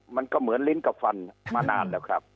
มันก็เหมือนลิ้นกับฟันมานานแล้วครับ